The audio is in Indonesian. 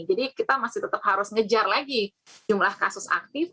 jadi kita masih tetap harus ngejar lagi jumlah kasus aktif